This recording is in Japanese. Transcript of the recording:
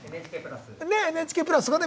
ＮＨＫプラス。ね！